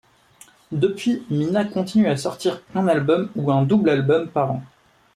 Depuis, Mina continue à sortir un album ou un double album par an.